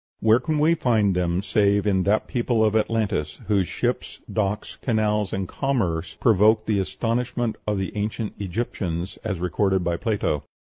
Where can we find them save in that people of Atlantis, whose ships, docks, canals, and commerce provoked the astonishment of the ancient Egyptians, as recorded by Plato.